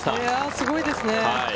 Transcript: すごいですね。